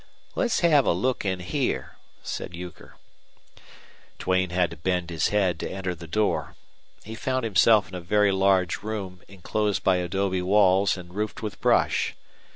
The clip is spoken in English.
"Let's have a look in here," said Euchre. Duane had to bend his head to enter the door. He found himself in a very large room inclosed by adobe walls and roofed with brush.